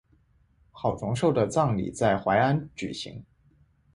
郝崇寿的葬礼在淮安举行。